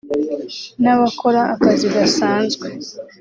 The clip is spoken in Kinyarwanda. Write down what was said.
n’abakora akazi gasanzwe